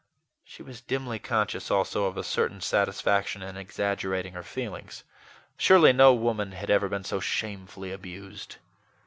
She was dimly conscious, also, of a certain satisfaction in exaggerating her feelings. Surely no woman had ever been so shamefully abused.